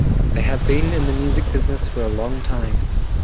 They have been in the music business for a long time.